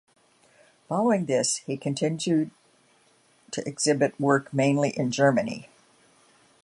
Following this, he continued to exhibit work mainly in Germany.